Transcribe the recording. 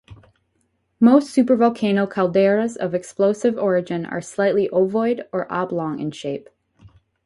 Most supervolcano calderas of explosive origin are slightly ovoid or oblong in shape.